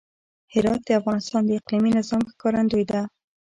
هرات د افغانستان د اقلیمي نظام ښکارندوی ده.